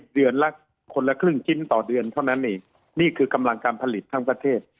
เดือนละคนละครึ่งชิ้นต่อเดือนเท่านั้นเองนี่คือกำลังการผลิตทั้งประเทศ